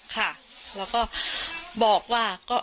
ค่ะแล้วก็บอกว่า